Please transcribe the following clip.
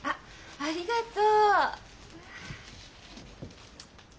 ありがとう。